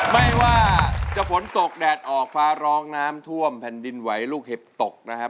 ไม่ว่าจะฝนตกแดดออกฟ้าร้องน้ำท่วมแผ่นดินไหวลูกเห็บตกนะครับ